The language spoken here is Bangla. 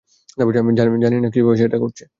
জানিনা কিভাবে সে এটা করছে!